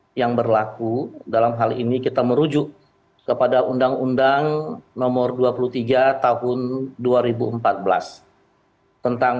hai yang berlaku dalam hal ini kita merujuk kepada undang undang nomor dua puluh tiga tahun dua ribu empat belas tentang